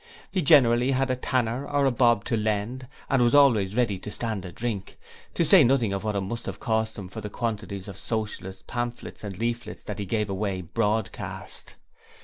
He generally had a tanner or a bob to lend, and was always ready to stand a drink, to say nothing of what it must have cost him for the quantities of Socialist pamphlets and leaflets that he gave away broadcast.